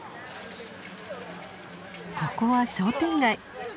ここは商店街。